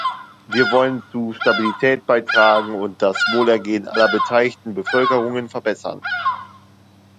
Wir wollen zu Stabilität beitragen und das Wohlergehen aller beteiligten Bevölkerungen verbessern.